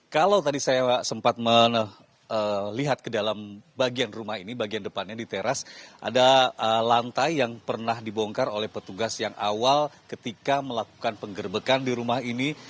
kalau tadi saya sempat melihat ke dalam bagian rumah ini bagian depannya di teras ada lantai yang pernah dibongkar oleh petugas yang awal ketika melakukan penggerbekan di rumah ini